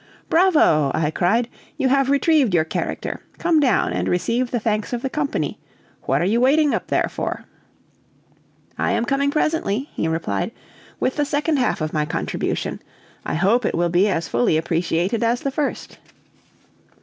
"Bravo!" I cried, "you have retrieved your character; come down and receive the thanks of the company. What are you waiting up there for?" "I am coming presently," he replied, "with the second half of my contribution; I hope it will be as fully appreciated as the first."